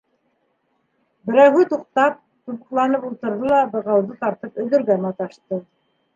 Берәүһе туҡтап, тубыҡланып ултырҙы ла бығауҙы тартып өҙөргә маташты.